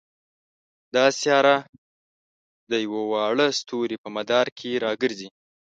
دا سیاره د یوه واړه ستوري په مدار کې را ګرځي.